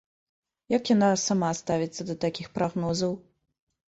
Як яна сама ставіцца да такіх прагнозаў?